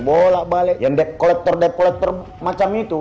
bolak balik yang dep kolektor dep kolektor macam itu